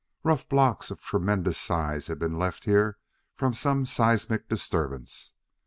Rough blocks of tremendous size had been left here from some seismic disturbance.